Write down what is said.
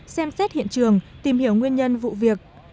xem xét hiện trường tìm hiểu nguyên nhân vụ việc